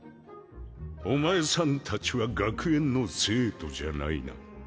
お前さんたちは学園の生徒じゃないな？